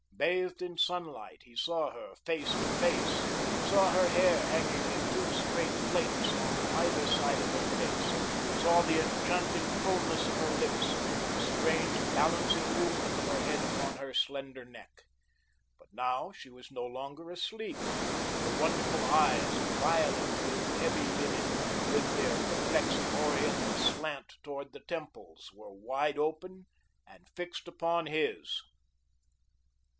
Bathed in sunlight, he saw her face to face, saw her hair hanging in two straight plaits on either side of her face, saw the enchanting fulness of her lips, the strange, balancing movement of her head upon her slender neck. But now she was no longer asleep. The wonderful eyes, violet blue, heavy lidded, with their perplexing, oriental slant towards the temples, were wide open and fixed upon his.